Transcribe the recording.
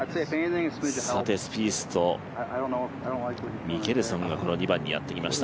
さて、スピースとミケルソンが２番にやってきました。